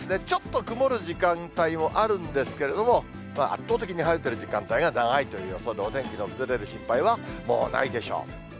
ちょっと曇る時間帯もあるんですけれども、圧倒的に晴れてる時間帯が長いという予想で、お天気の崩れる心配はもうないでしょう。